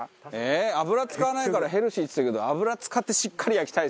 油使わないからヘルシーっつってるけど油使ってしっかり焼きたいですよね。